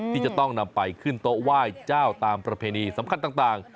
ที่จะต้องนำไปขึ้นโต๊ะไหว้เจ้าตามประเพณีสำคัญต่าง